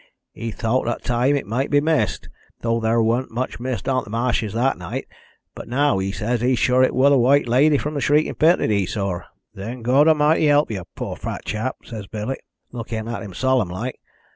He thowt at th' time it might be mist, thow there weren't much mist on th' ma'shes that night, but now he says 'es sure that it wor the White Lady from the Shrieking Pit that he saw. 'Then Gawdamighty help yow, poor fat chap,' says Billy, looking at him solemn like.